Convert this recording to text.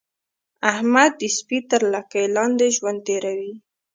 احمد د سپي تر لګۍ لاندې ژوند تېروي.